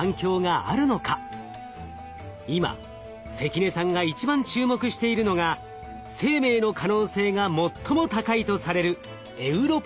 今関根さんが一番注目しているのが生命の可能性が最も高いとされるエウロパです。